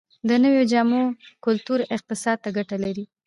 د نویو جامو کلتور اقتصاد ته ګټه لري؟